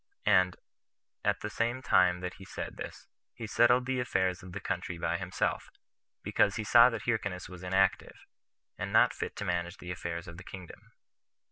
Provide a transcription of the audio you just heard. And, at the same time that he said this, he settled the affairs of the country by himself, because he saw that Hyrcanus was inactive, and not fit to manage the affairs of the kingdom.